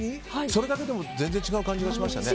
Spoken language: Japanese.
それだけでも全然違う感じがしましたね。